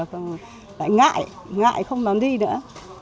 phải ngại ngại không dám đi nữa